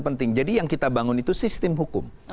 penting jadi yang kita bangun itu sistem hukum